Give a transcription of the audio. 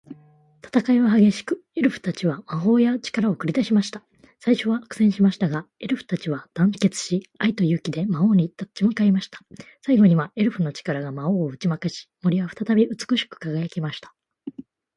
戦いは激しく、エルフたちは魔法や力を繰り出しました。最初は苦戦しましたが、エルフたちは団結し、愛と勇気で魔王に立ち向かいました。最後には、エルフの力が魔王を打ち負かし、森は再び美しく輝きました。